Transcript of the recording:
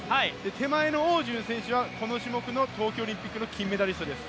手前の汪順選手はこの種目の東京オリンピックの金メダリストです。